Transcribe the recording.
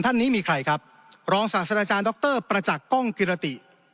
ท่านนี้มีใครครับรองศาสตราจารย์ดรประจักษ์กล้องกิรติ